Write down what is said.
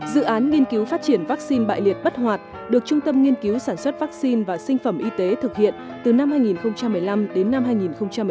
dự án nghiên cứu phát triển vaccine bại liệt bất hoạt được trung tâm nghiên cứu sản xuất vaccine và sinh phẩm y tế thực hiện từ năm hai nghìn một mươi năm đến năm hai nghìn một mươi